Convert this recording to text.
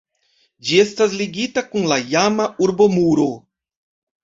Ĝi estas ligita kun la iama urbomuro.